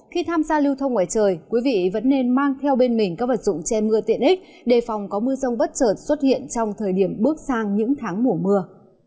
khi tham gia lưu thông ngoài trời quý vị vẫn nên mang theo bên mình các vật dụng che mưa tiện ích đề phòng có mưa rông bất trợt xuất hiện trong thời điểm bước sang những tháng mùa mưa